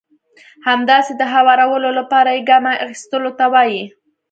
همداسې د هوارولو لپاره يې ګام اخيستلو ته وایي.